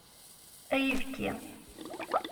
Ay ibekki!